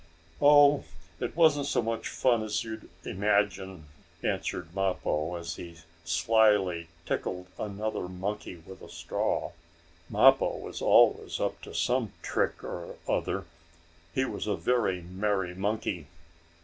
"Oh, it wasn't so much fun as you'd imagine," answered Mappo as he slyly tickled another monkey with a straw. Mappo was always up to some trick or other; he was a very merry monkey.